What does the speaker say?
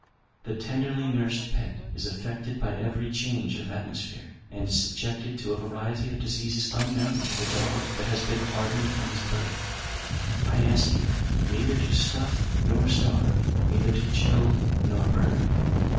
The tenderly nursed pet is affected by every change of atmosphere, and subjected to a variety of diseases unknown to the dog that has been hardened from his birth. I ask you, then, neither to stuff nor starve; neither to chill nor burn.